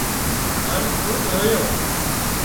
هانَ خوٻ رويو